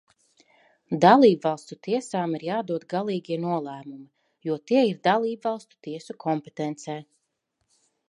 Dalībvalstu tiesām ir jādod galīgie nolēmumi, jo tie ir dalībvalstu tiesu kompetencē.